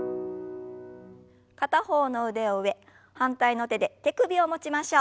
片方の腕を上反対の手で手首を持ちましょう。